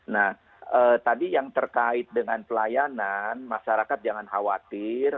nah tadi yang terkait dengan pelayanan masyarakat jangan khawatir